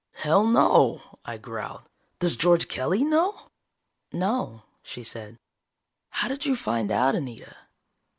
"Hell, no," I growled. "Does George Kelly know?" "No," she said. "How did you find out, Anita?"